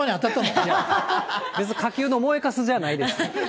いや、別に火球の燃えかすじゃないです。